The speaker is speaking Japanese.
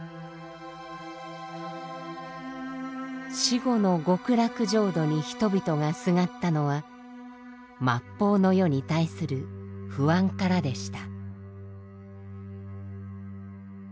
死後の極楽浄土に人々がすがったのは末法の世に対する不安からでした。